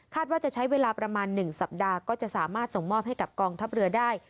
ว่าจะใช้เวลาประมาณ๑สัปดาห์ก็จะสามารถส่งมอบให้กับกองทัพเรือได้